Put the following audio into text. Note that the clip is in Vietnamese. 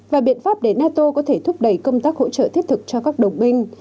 và biện pháp để nato có thể thúc đẩy công tác hỗ trợ thiết thực cho các đồng binh